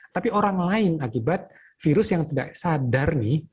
tapi orang lain akibat virus yang tidak sadar nih